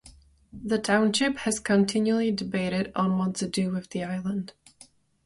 The township has continually debated on what to do with the island.